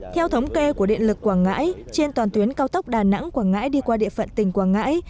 theo thống kê của điện lực quảng ngãi trên toàn tuyến cao tốc đà nẵng quảng ngãi đi qua địa phận tỉnh quảng ngãi